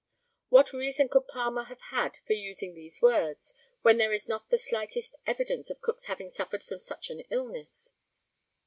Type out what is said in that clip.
What reason could Palmer have had for using these words, when there is not the slightest evidence of Cook's having suffered from such an illness?